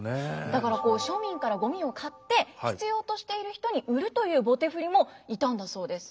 だから庶民からゴミを買って必要としている人に売るという棒手振もいたんだそうです。